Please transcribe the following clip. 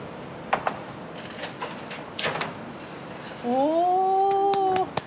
お！